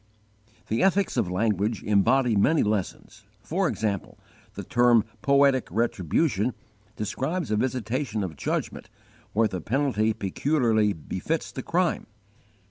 The 'ethics of language' embody many lessons. For example, the term 'poetic retribution' describes a visitation of judgment where the penalty peculiarly befits the crime.